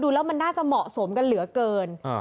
แล้วมันน่าจะเหมาะสมกันเหลือเกิน